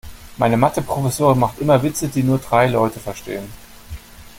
Meine Mathe-Professorin macht immer Witze, die nur drei Leute verstehen.